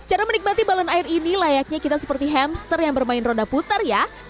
cara menikmati balon air ini layaknya kita seperti hamster yang bermain ronda putar ya